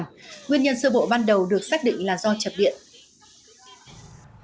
nguyên nhân sơ bộ ban đầu được xác định là do chập điện